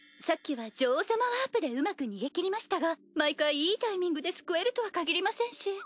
さっきは女王様ワープでうまく逃げきりましたが毎回いいタイミングで救えるとは限りませんし。